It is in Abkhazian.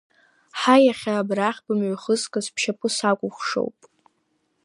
Ҳаи, иахьа абрахь бымҩахызгаз бшьапы сакәыхшоуп!